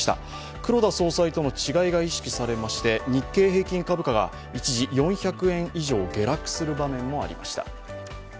黒田総裁との違いが意識されまして日経平均株価は一時４００円以上下落する場面もありました。